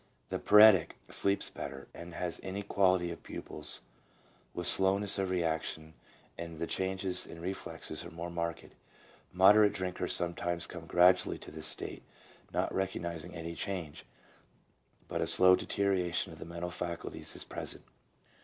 The paretic sleeps better, has inequality of pupils with slowness of reaction, and the changes in reflexes are more marked. Moderate drinkers sometimes come gradually to this state, not recognizing any change, but a slow deterioration of the mental faculties is present.